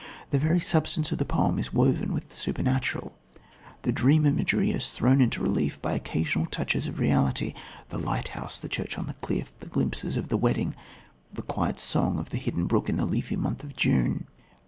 The very substance of the poem is woven of the supernatural. The dream imagery is thrown into relief by occasional touches of reality the lighthouse, the church on the cliff, the glimpses of the wedding, the quiet song of the hidden brook in the leafy month of June.